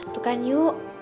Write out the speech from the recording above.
tuh kan yu